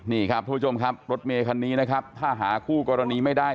นี่ครับทุกผู้ชมครับรถเมคันนี้นะครับถ้าหาคู่กรณีไม่ได้